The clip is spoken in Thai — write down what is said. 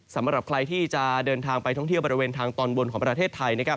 สำหรับใครที่จะเดินทางไปท่องเที่ยวบริเวณทางตอนบนของประเทศไทยนะครับ